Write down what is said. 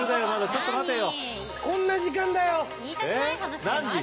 ちょっと待てよ。